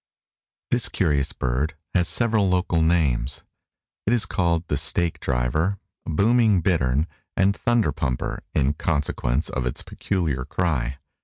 _) This curious bird has several local names. It is called the "stake driver," "booming bittern," and "thunder pumper," in consequence of its peculiar cry.